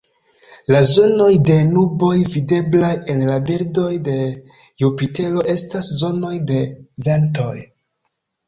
La zonoj de nuboj videblaj en la bildoj de Jupitero estas zonoj de ventoj.